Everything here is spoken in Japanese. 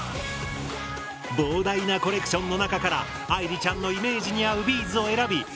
膨大なコレクションの中から愛莉ちゃんのイメージに合うビーズを選び